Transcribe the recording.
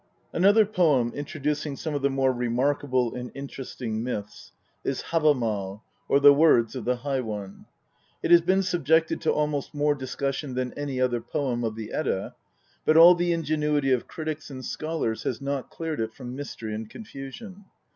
Another poem introducing some of the more remarkable and interesting myths is Havam&l, or The Words of the High One. It has been subjected to almost more discussion than any other poem of the Edda, but all the ingenuity of critics and scholars has not cleared it from mystery and confusion.